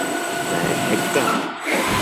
Tlaejeka.